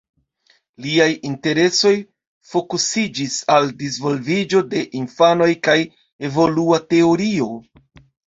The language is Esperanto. Liaj interesoj fokusiĝis al disvolviĝo de infanoj kaj evolua teorio.